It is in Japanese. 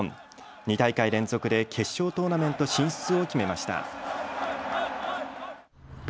２大会連続で決勝トーナメント進出を決めました。